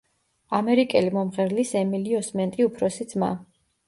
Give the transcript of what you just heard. ამერიკელი მომღერლის ემილი ოსმენტი უფროსი ძმა.